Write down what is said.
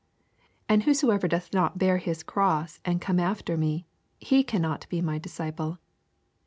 27 And whosoever doth not bear his cross, and come after me, he can not be my disciple.